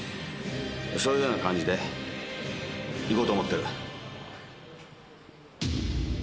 そういうような感じで、いこうと思ってる。